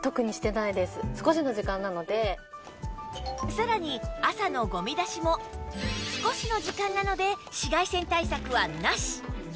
さらに朝のゴミ出しも少しの時間なので紫外線対策はなし